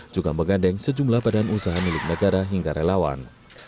juga menggandeng sejumlah badan usaha milik negara hingga relawan